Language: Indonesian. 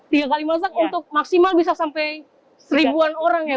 tiga kali masak untuk maksimal bisa sampai seribuan orang ya